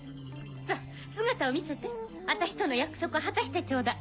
さぁ姿を見せて私との約束を果たしてちょうだい。